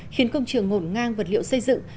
khiến công trường ngổn ngang vật liệu xây dựng